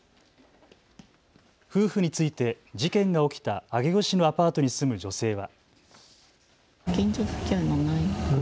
夫婦について事件が起きた上尾市のアパートに住む女性は。